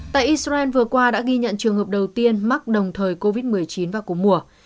tại israel vừa qua đã ghi nhận trường hợp đầu tiên mắc đồng thời covid một mươi chín vào cuối mùa